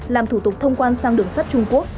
làm thủ tục thông quan sang đường sắt trung quốc